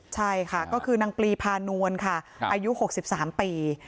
ใช่ค่ะก็คือนางปลีพานวลค่ะอายุ๖๓ปี